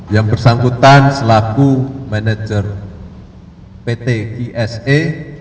yang bersangkutan selaku manager pt kse